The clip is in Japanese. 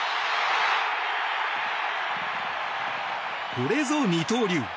これぞ二刀流。